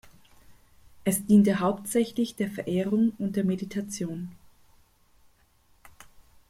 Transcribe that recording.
Es diente hauptsächlich der Verehrung und der Meditation.